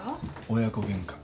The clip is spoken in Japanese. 親子げんか。